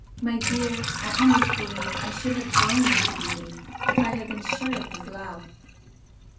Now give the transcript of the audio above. my dear, I almost believe I should have grown into beauty if I had been sure of his love."